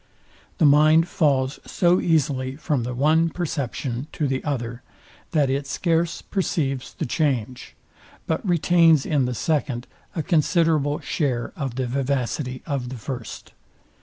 The mind falls so easily from the one perception to the other, that it scarce perceives the change, but retains in the second a considerable share of the vivacity of the first.